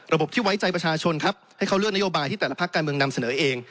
ที่ไว้ใจประชาชนครับให้เขาเลือกนโยบายที่แต่ละภาคการเมืองนำเสนอเอง